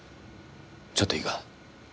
ちょっといいか。